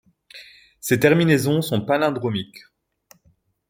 Ses terminaisons sont palindromiques.